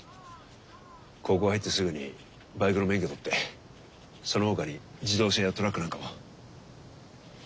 高校入ってすぐにバイクの免許取ってそのほかに自動車やトラックなんかも。